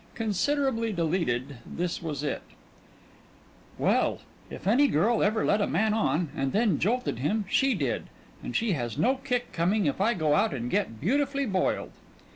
Considerably deleted, this was it: "Well, if any girl ever led a man on and then jolted him, she did and she has no kick coming if I go out and get beautifully boiled."